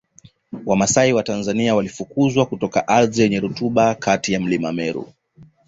Wamasai wa Tanzania walifukuzwa kutoka ardhi yenye rutuba kati ya Mlima Meru